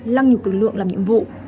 lăng nhục lực lượng làm nhiệm vụ